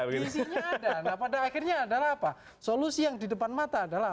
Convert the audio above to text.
visinya ada nah pada akhirnya adalah apa solusi yang di depan mata adalah